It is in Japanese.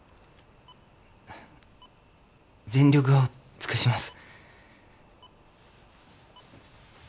全力を尽くします。